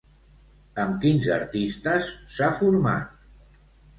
Amb quins artistes s'ha format?